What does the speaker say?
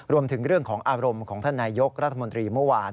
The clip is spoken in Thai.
รวมถึงเรื่องของอารมณ์ของท่านนายกรัฐมนตรีเมื่อวาน